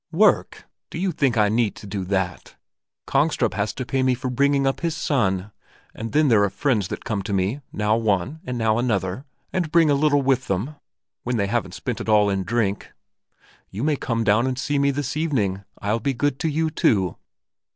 "Work! So you think I need do that? Kongstrup has to pay me for bringing up his son, and then there are friends that come to me, now one and now another, and bring a little with them—when they haven't spent it all in drink. You may come down and see me this evening. I'll be good to you too."